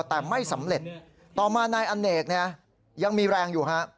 แต่ไม่สำเร็จต่อมานายอเนกเนี่ยยังมีแรงอยู่ฮะ